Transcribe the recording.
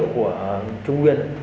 cốc uống nước tráng miệng